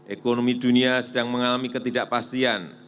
ekonomi dunia sedang mengalami ketidakpastian